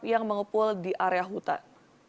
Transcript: yang mengepul di area hutan